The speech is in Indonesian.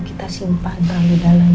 kita simpah dalam hidangan kita